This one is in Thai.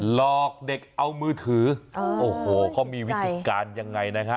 หลอกเด็กเอามือถือโอ้โหเขามีวิธีการยังไงนะฮะ